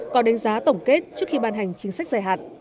có đánh giá tổng kết trước khi ban hành chính sách dài hạn